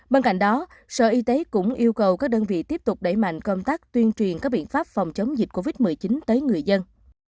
bên cạnh đó sở y tế cũng yêu cầu các đơn vị tiếp tục đẩy mạnh công tác tuyên truyền các biện pháp phòng chống dịch covid một mươi chín tới người dân